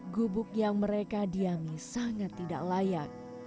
gubuk yang mereka diami sangat tidak layak